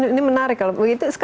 ini menarik kalau begitu